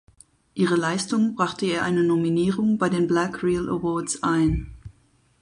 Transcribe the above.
Ihre Leistung brachte ihr eine Nominierung bei den Black Reel Awards ein.